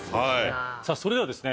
それではですね